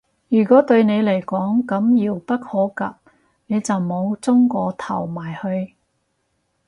如果對你嚟講咁遙不可及，你就唔好舂個頭埋去